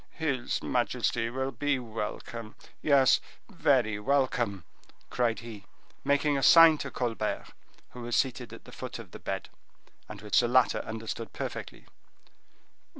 "His majesty will be welcome,—yes, very welcome," cried he, making a sign to Colbert, who was seated at the foot of the bed, and which the latter understood perfectly.